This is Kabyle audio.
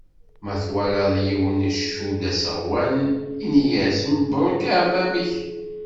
Ma twalaḍ yiwen icudd aseɣwen, ini-yas: mebruk aεmam-ik.